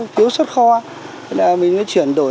phiếu xuất kho nên là mình mới chuyển đổi